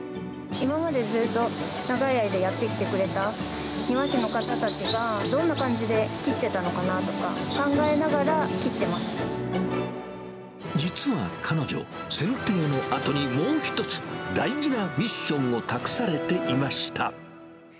今までずっと、長い間やってきてくれた庭師の方たちが、どんな感じで切ってたの実は彼女、せん定のあとにもう一つ、大事なミッションを託されていました。